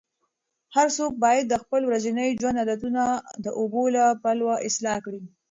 هر څوک باید د خپل ورځني ژوند عادتونه د اوبو له پلوه اصلاح کړي.